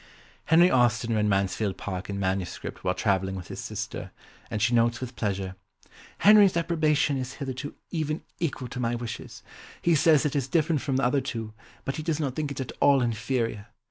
Henry Austen read Mansfield Park in MS. while travelling with his sister, and she notes with pleasure, "Henry's approbation is hitherto even equal to my wishes. He says it is different from the other two, but he does not think it at all inferior.